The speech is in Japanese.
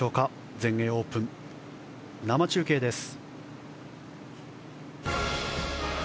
全英オープン、生中継です。